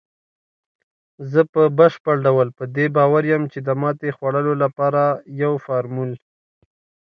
زه په بشپړ ډول په دې باور یم، چې د ماتې خوړلو لپاره یو فارمول